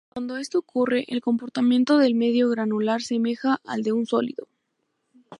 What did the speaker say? Cuando esto ocurre el comportamiento del medio granular semeja al de un sólido.